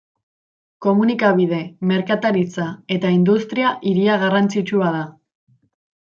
Komunikabide, merkataritza eta industria hiria garrantzitsua da.